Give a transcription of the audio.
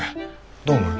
どう思う？